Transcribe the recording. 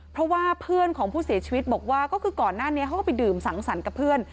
เพราะว่าเพื่อนของผู้เสียชีวิตบอกว่าก็คือก่อนหน้านี้เขาก็ไปดื่มสังสรรค์กับเพื่อน